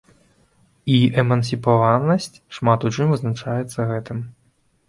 І эмансіпаванасць шмат у чым вызначаецца гэтым.